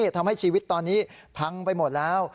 ทำให้ชีวิตตอนนี้พังไปหมดแล้ว